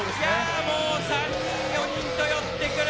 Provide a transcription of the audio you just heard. もう３人、４人と寄ってくる。